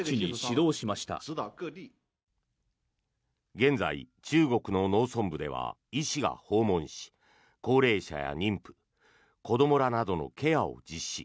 現在、中国の農村部では医師が訪問し高齢者や妊婦、子どもらなどのケアを実施。